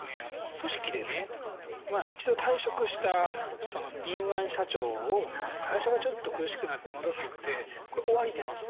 組織でね一度退職した敏腕社長を会社がちょっと苦しくなって戻すってこれ終わりです。